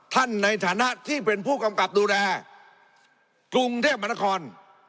ในฐานะที่เป็นผู้กำกับดูแลกรุงเทพมนคร